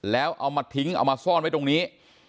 แล้วเอามาทิ้งเอามาซ่อนไว้ตรงนี้